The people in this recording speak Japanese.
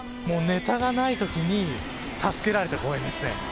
もうネタがないときに助けられた公園ですね。